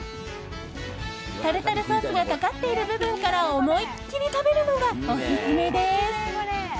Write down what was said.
タルタルソースがかかっている部分から思いっきり食べるのがオススメです。